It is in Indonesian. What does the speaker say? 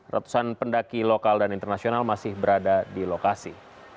ratusan pendaki lokal dan internasional masih berada di lokasi